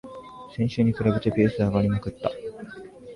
先週に比べてペース上がりまくった